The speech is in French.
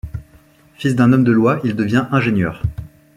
Fils d'un homme de loi, il devient ingénieur.